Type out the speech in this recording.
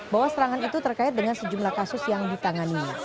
bahwa serangan itu terkait dengan sejumlah kasus yang ditanganinya